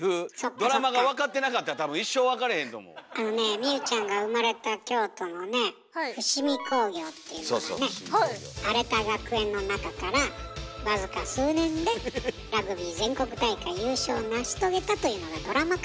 そもそもあのねえ望結ちゃんが生まれた京都のね伏見工業っていうのがね荒れた学園の中から僅か数年でラグビー全国大会優勝を成し遂げたというのがドラマ化されたの。